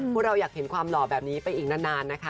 พวกเราอยากเห็นความหล่อแบบนี้ไปอีกนานนะคะ